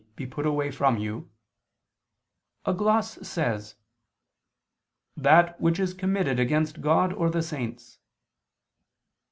be put away from you," a gloss says, "that which is committed against God or the saints."